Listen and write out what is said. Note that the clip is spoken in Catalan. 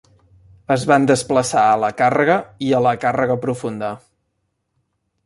Es van desplaçar a la càrrega i a la càrrega profunda.